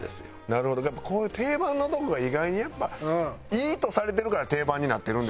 なるほどやっぱりこういう定番なとこが意外にやっぱいいとされてるから定番になってるんですもんね。